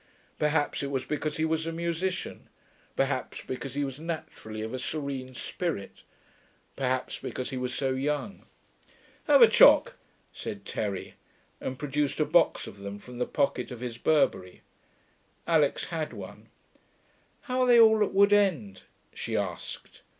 Perhaps it was because he was a musician; perhaps because he was naturally of a serene spirit; perhaps because he was so young. 'Have a choc,' said Terry, and produced a box of them from the pocket of his Burberry. Alix had one. 'How are they all at Wood End?' she asked.